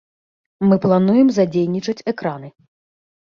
Мы плануем задзейнічаць экраны.